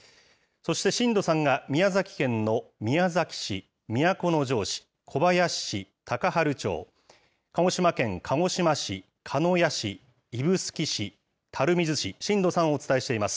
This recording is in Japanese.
そして震度３が宮崎県の宮崎市、都城市、小林市、高原町、鹿児島県鹿児島市、鹿屋市、指宿市、垂水市、震度３をお伝えしています。